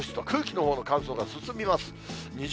空気のほうの乾燥が進みます。